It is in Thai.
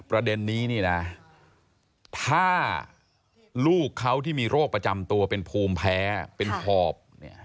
ประเด็นนี้นี่นะถ้าลูกเขาที่มีโรคประจำตัวเป็นภูมิแพ้เป็นหอบ